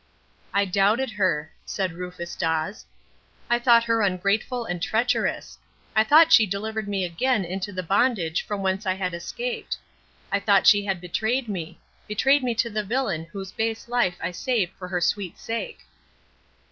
"I doubted her," said Rufus Dawes. "I thought her ungrateful and treacherous. I thought she delivered me again into the bondage from whence I had escaped. I thought she had betrayed me betrayed me to the villain whose base life I saved for her sweet sake."